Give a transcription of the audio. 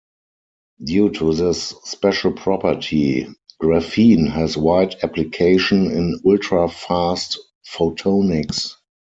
Due to this special property, graphene has wide application in ultrafast photonics.